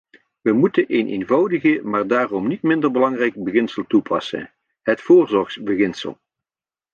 We moeten een eenvoudig maar daarom niet minder belangrijk beginsel toepassen: het voorzorgsbeginsel.